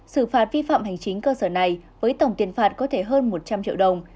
xử phạt vi phạm hành chính cơ sở này với tổng tiền phạt có thể hơn một trăm linh triệu đồng